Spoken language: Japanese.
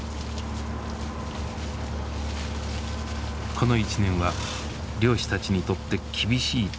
この１年は漁師たちにとって厳しい年だった。